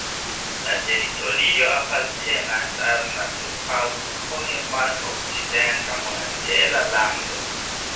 La teritorio apartenas al la naturparko Hohe Mark-Okcidenta Monastera Lando.